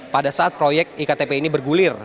pada saat proyek iktp ini bergulir